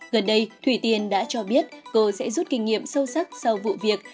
gần đây thủy tiên đã cho biết cô sẽ rút kinh nghiệm sâu sắc sau vụ việc